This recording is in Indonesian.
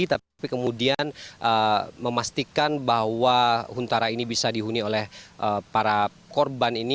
tapi kemudian memastikan bahwa huntara ini bisa dihuni oleh para korban ini